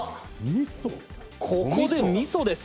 ここで味噌です